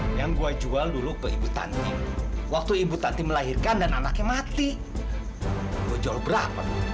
hai yang gue jual dulu ke ibu tanti waktu ibu tanti melahirkan dan anaknya mati jual berapa